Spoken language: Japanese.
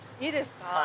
「いいですか」